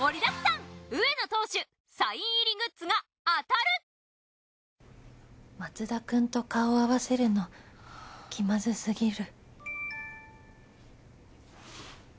Ａ くん松田くんと顔を合わせるの気まずすぎる